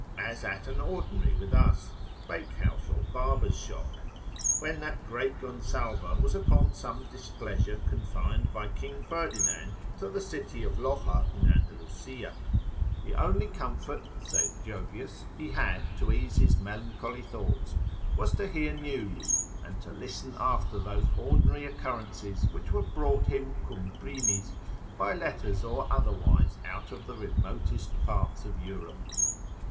as at an ordinary with us, bakehouse or barber's shop. When that great Gonsalva was upon some displeasure confined by King Ferdinand to the city of Loxa in Andalusia, the only, comfort (saith Jovius) he had to ease his melancholy thoughts, was to hear news, and to listen after those ordinary occurrences which were brought him cum primis, by letters or otherwise out of the remotest parts of Europe.